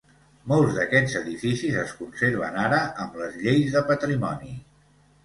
Molts d'aquests edificis es conserven ara amb les lleis de patrimoni.